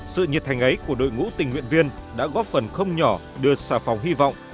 sự nhiệt thành ấy của đội ngũ tình nguyện viên đã góp phần không nhỏ đưa xà phòng hy vọng